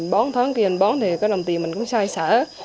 bón tháng kia mình bón thì cái đồng tiền mình cũng sai sở